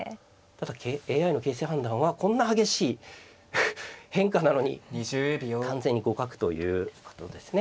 ただＡＩの形勢判断はこんな激しい変化なのに完全に互角ということですね。